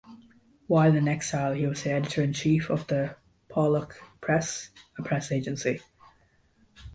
While in exile he was the editor-in-chief of the "Palach Press", a press agency.